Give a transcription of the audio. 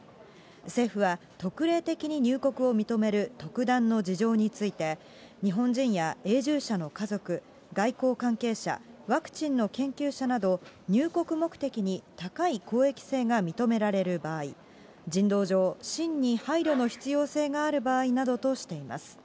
政府は、特例的に入国を認める特段の事情について、日本人や永住者の家族、外交関係者、ワクチンの研究者など、入国目的に高い公益性が認められる場合、人道上、真に配慮の必要性がある場合などとしています。